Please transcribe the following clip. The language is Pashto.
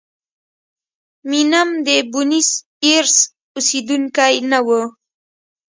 مینم د بونیس ایرس اوسېدونکی نه و.